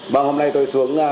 vâng hôm nay tôi xuống